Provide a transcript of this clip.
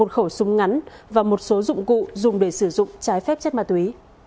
một khẩu súng ngắn và một số dụng cụ dùng để sử dụng trái phép chất ma túy